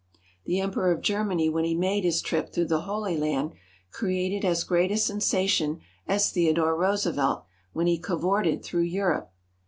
The Emperor of Germany when he made his trip through the Holy Land created as great a sensation as Theodore Roosevelt when he cavorted through Europe.